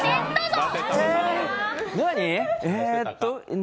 何？